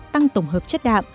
tăng tổng hợp chất đạm